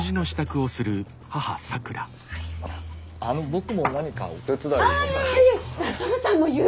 あの僕も何かお手伝いを。